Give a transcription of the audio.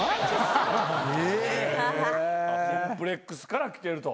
コンプレックスから来てると。